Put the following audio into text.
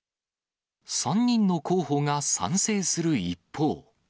３人の候補が賛成する一方。